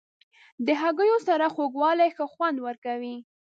د هګیو سره خوږوالی ښه خوند ورکوي.